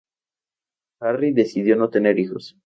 Harry decidió no tener hijos.